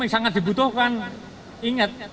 ini sangat dibutuhkan ingat